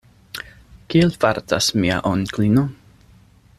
Kiel fartas mia onklino?